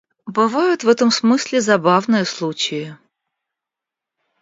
Бывают, в этом смысле, забавные случаи.